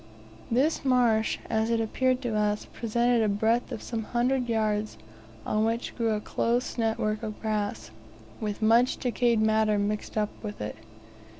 This marsh, as it appeared to us, presented a breadth of some hundreds of yards, on which grew a close network of grass, with much decayed matter mixed up with it.